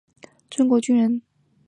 庄国钧人。